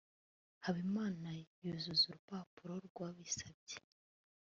habimana yuzuza urupapuro rwabisabye